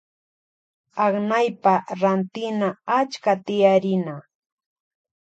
Aknaypa rantina achka tiyarina.